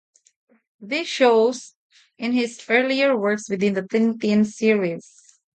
This shows in his earlier works within the Tintin series.